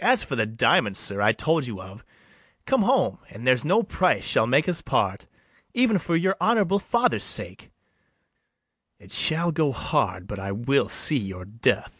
] As for the diamond, sir, I told you of, Come home, and there's no price shall make us part, Even for your honourable father's sake, It shall go hard but I will see your death.